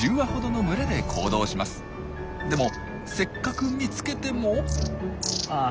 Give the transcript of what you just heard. でもせっかく見つけても。